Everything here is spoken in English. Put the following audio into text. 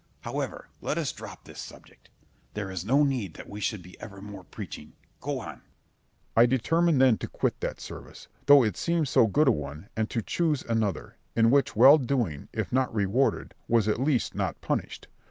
However, let us drop this subject: there is no need that we should be evermore preaching. Go on. Berg. I determined then to quit that service, though it seemed so good a one, and to choose another, in which well doing, if not rewarded, was at least not punished.